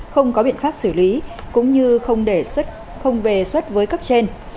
không có biện pháp xử lý cũng như không về xuất với cấp trên